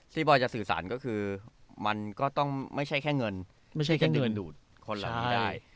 ซี่บอยจะสื่อสารก็คือมันก็ต้องไม่ใช่แค่เงินดูดคนหลังได้